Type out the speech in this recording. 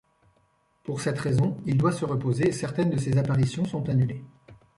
Pour cette raison il doit se reposer et certaines de ses apparitions sont annulées.